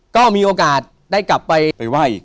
ก็มีโอกาสได้กลับไปไหว้